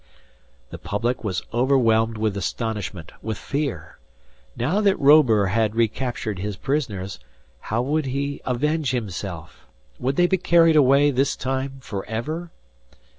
The public was overwhelmed with astonishment, with fear! Now that Robur had recaptured his prisoners, how would he avenge himself? Would they be carried away, this time, forever?